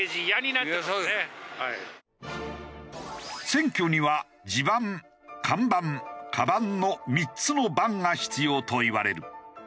選挙には地盤看板鞄の３つのバンが必要といわれる。